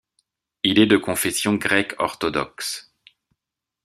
Il est de confession grecque orthodoxe.